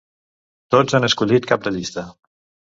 Tots han escollit cap de llista.